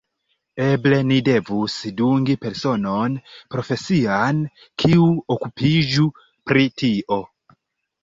Eble ni devus dungi personon profesian kiu okupiĝu pri tio.